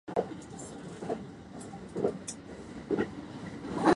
明日は雨かもしれない